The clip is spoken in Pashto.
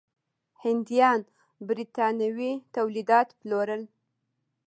هندیان برېټانوي تولیدات پلورل.